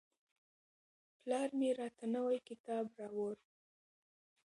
پلار مې راته نوی کتاب راوړ.